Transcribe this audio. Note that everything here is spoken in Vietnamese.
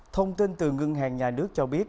thông tin từ ngân hàng nhà nước cho biết